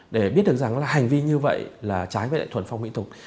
để biết được rằng là hành vi như vậy là trái với lại thuần phong mỹ tục